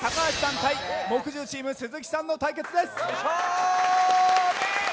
対木１０チーム鈴木さんの対決です。